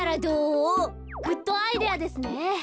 グッドアイデアですね。